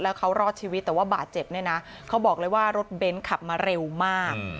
แล้วเขารอดชีวิตแต่ว่าบาดเจ็บเนี่ยนะเขาบอกเลยว่ารถเบนท์ขับมาเร็วมาก